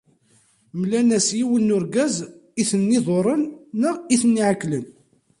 Mlan-as yiwen n urgaz i ten-iḍuṛṛen neɣ i ten-iɛekklen.